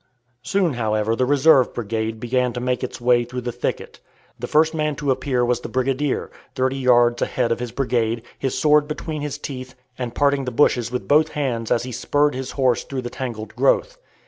Soon, however, the reserve brigade began to make its way through the thicket. The first man to appear was the brigadier, thirty yards ahead of his brigade, his sword between his teeth, and parting the bushes with both hands as he spurred his horse through the tangled growth.